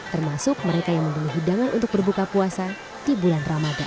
termasuk mereka yang membeli hidangan untuk berbuka puasa di bulan ramadan